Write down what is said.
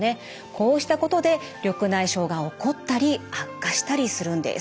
こうしたことで緑内障が起こったり悪化したりするんです。